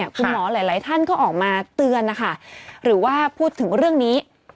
คุณหมอหลายท่านก็ออกมาเตือนนะคะหรือว่าพูดถึงเรื่องนี้